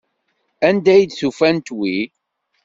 Anda ay d-ufant wi?